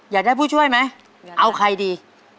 อยากได้ผู้ช่วยไหมเอาใครดี